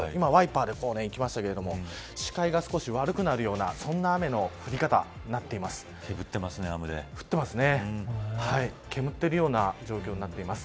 今、ワイパーでいきましたけど視界が少し悪くなるようなそんな雨の降り方になってます。